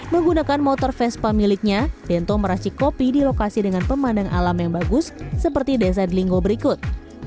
menggunakan motor vespa miliknya dento meracik kopi di lokasi dengan pemandang alam yang bagus seperti desa delingo berikut